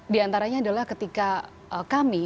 di antaranya adalah ketika kami